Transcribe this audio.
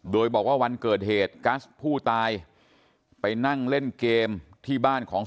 โดยบอกว่าวันเกิดเหตุกัสผู้ตายไปนั่งเล่นเกมที่บ้านของ